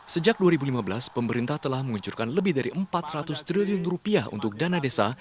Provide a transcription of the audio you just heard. sejak dua ribu lima belas pemerintah telah menguncurkan lebih dari empat ratus triliun rupiah untuk dana desa